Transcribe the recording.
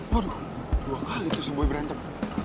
waduh dua kali terus yang gue berantem